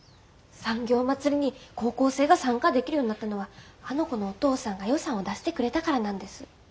産業まつりに高校生が参加できるようになったのはあの子のお父さんが予算を出してくれたからなんです。